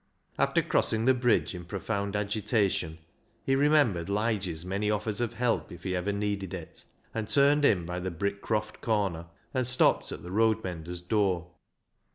After crossing the bridge in profound agitation, he remembered Lige's many offers of help if he ever needed it, and turned in by the Brickcroft corner, and stopped at the road mender's door.